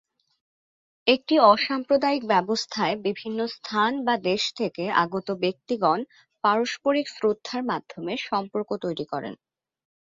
একটি অসাম্প্রদায়িক ব্যবস্থায় বিভিন্ন স্থান বা দেশ থেকে আগত ব্যক্তিগণ পারস্পারিক শ্রদ্ধার মাধ্যমে সম্পর্ক তৈরি করেন।